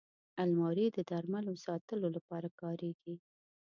الماري د درملو ساتلو لپاره کارېږي